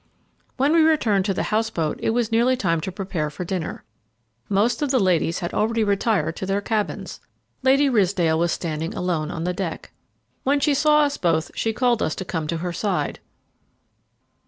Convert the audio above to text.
When we returned to the house boat, it was nearly time to prepare for dinner. Most of the ladies had already retired to their cabins. Lady Ridsdale was standing alone on deck. When she saw us both, she called to us to come to her side.